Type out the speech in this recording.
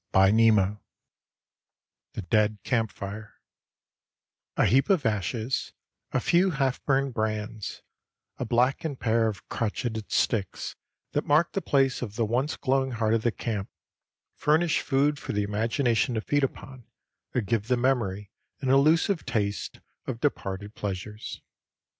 XXXIV THE DEAD CAMP FIRE A heap of ashes, a few half burned brands, a blackened pair of crotched sticks that mark the place of the once glowing heart of the camp, furnish food for the imagination to feed upon or give the memory an elusive taste of departed pleasures.